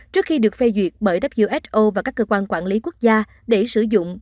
trước khi được phê duyệt bởi who và các cơ quan quản lý quốc gia để sử dụng